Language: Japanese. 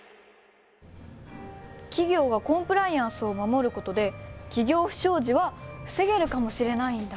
企業がコンプライアンスを守ることで企業不祥事は防げるかもしれないんだ。